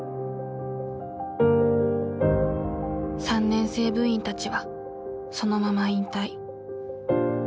３年生部員たちはそのまま引退。